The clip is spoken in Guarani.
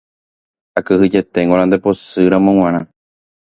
akyhyjeténgo la nde pochýramo g̃uarã